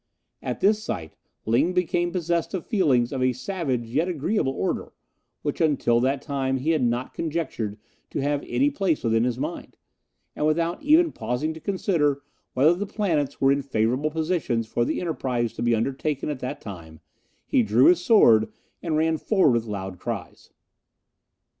At this sight Ling became possessed of feelings of a savage yet agreeable order, which until that time he had not conjectured to have any place within his mind, and without even pausing to consider whether the planets were in favourable positions for the enterprise to be undertaken at that time, he drew his sword, and ran forward with loud cries.